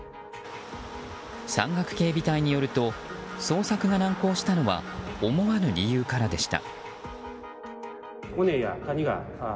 山岳警備隊によると捜索が難航したのは思わぬ理由からでした。